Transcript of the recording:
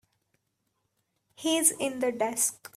He's in the desk.